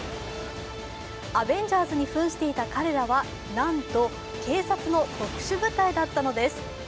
「アベンジャーズ」にふんしていた彼らはなんと警察の特殊部隊だったのです。